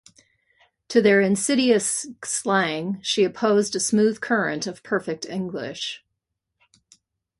To their insidious slang she opposed a smooth current of perfect English.